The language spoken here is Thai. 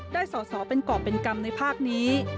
ได้สอเป็นเกาะเป็นกรรมในภาคนี้